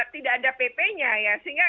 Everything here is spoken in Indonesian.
tidak ada pp nya ya sehingga